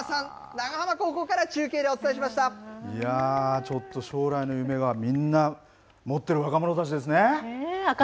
長浜高校からちょっと将来の夢はみんな持っている若者たちですね。